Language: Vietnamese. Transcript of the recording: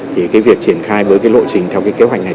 thì cái việc triển khai với cái lộ trình theo cái kế hoạch này